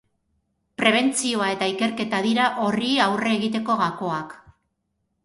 Prebentzioa eta ikerketa dira horri aurre egiteko gakoak.